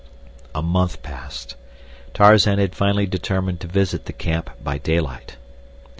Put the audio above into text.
A month passed. Tarzan had finally determined to visit the camp by daylight.